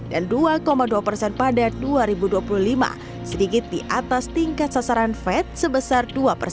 dan dua dua pada dua ribu dua puluh lima sedikit di atas tingkat sasaran fed sebesar dua